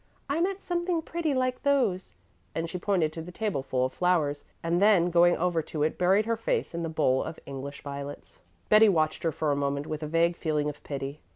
I meant something pretty like those," and she pointed to the tableful of flowers, and then going over to it buried her face in the bowl of English violets. Betty watched her for a moment with a vague feeling of pity.